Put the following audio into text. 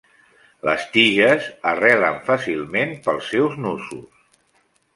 Les tiges arrelen fàcilment pels seus nusos.